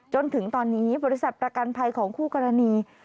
จนถึงตอนนี้บริษัทประกันภัยของคู่กรณี